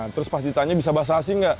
terus pas ditanya bisa bahasa asing nggak